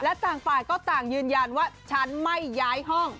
และต่างฝ่ายก็ต่างยืนยันว่าฉันไม่ย้ายห้อง